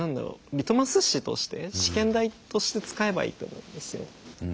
リトマス紙として試験台として使えばいいと思うんですよ。